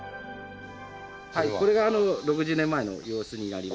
これが６０年前の様子になります。